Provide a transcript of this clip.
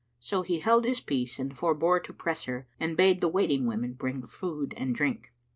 So he held his peace and forbore to press her and bade the waiting women bring food and drink.